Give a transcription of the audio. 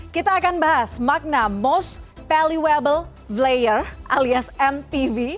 kita akan bahas makna most valuable player alias mtv